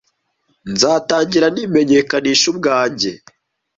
Nzatangira nimenyekanisha ubwanjye.